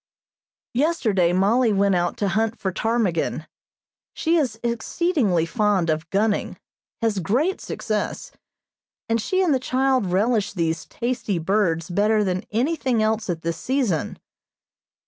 Yesterday Mollie went out to hunt for ptarmigan. She is exceedingly fond of gunning, has great success, and she and the child relish these tasty birds better than anything else at this season.